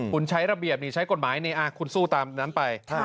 คุณใช้ระเบียบนี่ใช้กฎหมายนี่คุณสู้ตามนั้นไป